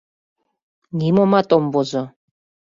— Нимомат ом возо!